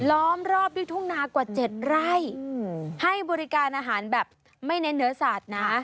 ล้อมรอบด้วยทุ่งนากว่า๗ไร่ให้บริการอาหารแบบไม่เน้นเนื้อสัตว์นะ